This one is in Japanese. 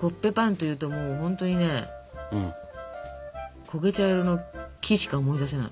コッペパンっていうとほんとにねこげ茶色の木しか思い出せない。